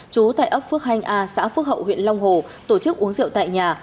trú tại ấp phước hanh a xã phước hậu huyện long hồ tổ chức uống rượu tại nhà